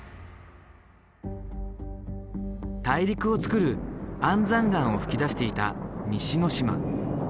大陸をつくる安山岩を噴き出していた西之島。